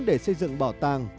để xây dựng bảo tàng